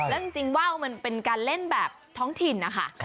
แล้วจริงว่าวมันเป็นการเล่นแบบท้องถิ่นนะคะ